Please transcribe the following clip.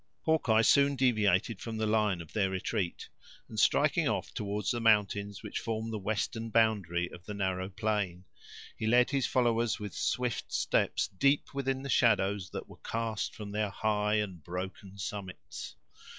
Hawkeye soon deviated from the line of their retreat, and striking off towards the mountains which form the western boundary of the narrow plain, he led his followers, with swift steps, deep within the shadows that were cast from their high and broken summits.